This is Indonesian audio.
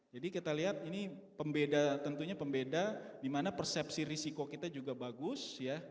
jadi kita lihat ini tentunya pembeda di mana persepsi risiko kita juga bagus